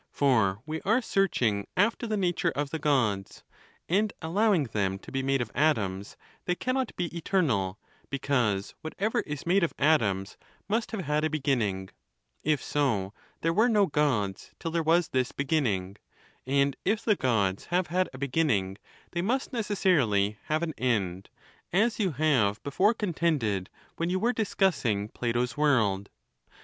For we are searching after the nature of the Gods; and allowing them to be made of atoms, they cannot be eternal, because what ever is made of atoms must have had a beginning: if so, there were no Gods till there was this beginning; and if the Gods have had a beginning, they must necessarily have an end, as you have before contended when you were dis , cussing Plato's world.